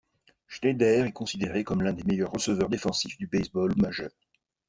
Schneider est considéré comme l'un des meilleurs receveurs défensifs du baseball majeur.